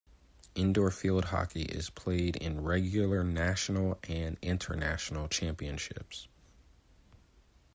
Indoor field hockey is played in regular national and international championships.